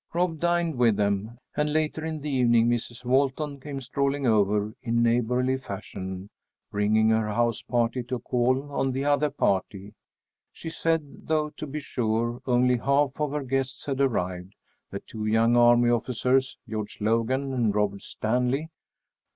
Rob dined with them, and later in the evening Mrs. Walton came strolling over in neighborly fashion, bringing her house party to call on the other party, she said, though to be sure only half of her guests had arrived, the two young army officers, George Logan and Robert Stanley.